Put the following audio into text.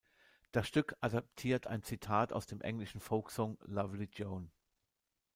Das Stück adaptiert ein Zitat aus dem englischen Folksong "Lovely Joan".